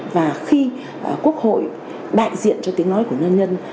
và khi quốc hội đại diện cho tiếng nói của nhân dân